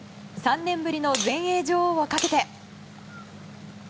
３年ぶりの全英女王をかけて。